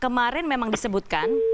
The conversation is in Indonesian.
kemarin memang disebutkan